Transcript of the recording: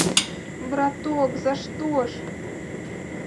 Браток, за што ж?